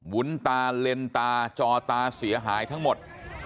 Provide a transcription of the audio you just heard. วุ้นตาเลนตาจอตาเสียหายทั้งหมด